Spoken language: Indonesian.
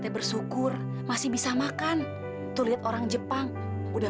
hei itu kudang kudang besar kak